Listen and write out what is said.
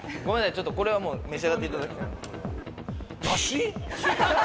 ちょっとこれはもう召し上がっていただきたい。